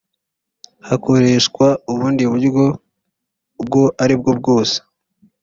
hakoreshwa ubundi buryo ubwo ari bwo bwose